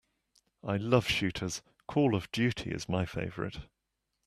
I love shooters, Call of Duty is my favorite.